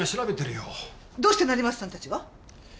どうして成増さんたちが？